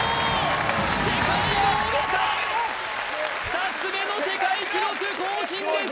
２つ目の世界記録更新です！